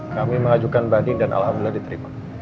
kami menghajukan bani dan alhamdulillah diterima